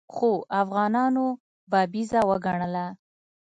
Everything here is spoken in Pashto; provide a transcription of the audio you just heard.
خو افغانانو بابیزه وګڼله.